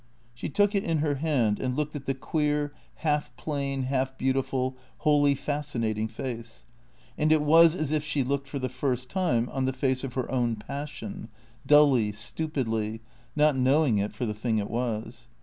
She took it in her hand and looked at the queer, half plain, half beautiful, wholly fascinating face ; and it was as if she looked for the first time on the face of her own passion, dully, stupidly, not knowing it for the thing it was.